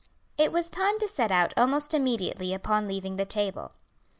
It was time to set out almost immediately upon leaving the table.